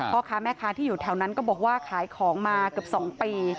พ่อค้าแม่ค้าที่อยู่แถวนั้นก็บอกว่าขายของมาเกือบ๒ปี